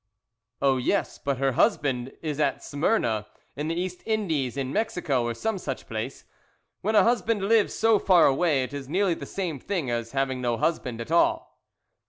"Oh yes, but her husband is at Smyrna, in the East Indies, in Mexico, or some such place. When a husband lives so far away it is nearly the same as having no husband at all."